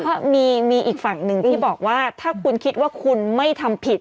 เพราะมีอีกฝั่งหนึ่งที่บอกว่าถ้าคุณคิดว่าคุณไม่ทำผิด